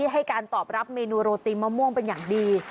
ให้การตอบรับเมนูโรตีมะม่วงเป็นอย่างดี